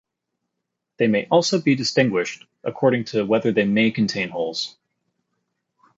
They may also be distinguished according to whether they may contain holes.